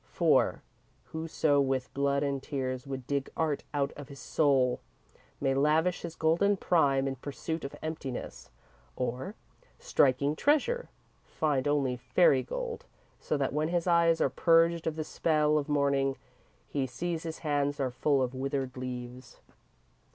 For "whoso with blood and tears would dig Art out of his soul, may lavish his golden prime in pursuit of emptiness, or, striking treasure, find only fairy gold, so that when his eyes are purged of the spell of morning, he sees his hands are full of withered leaves."